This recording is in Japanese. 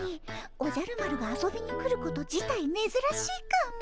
おじゃる丸が遊びに来ること自体めずらしいかも。